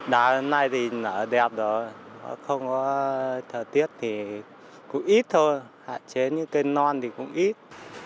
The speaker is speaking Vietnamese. đào hôm nay thì nó đẹp rồi không có thời tiết thì cũng ít thôi hạn chế những cây non thì cũng ít